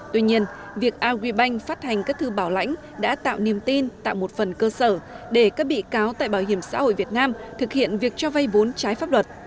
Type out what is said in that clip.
tuy nhiên việc algbank phát hành các thư bảo lãnh đã tạo niềm tin tạo một phần cơ sở để các bị cáo tại bảo hiểm xã hội việt nam thực hiện việc cho vay vốn trái pháp luật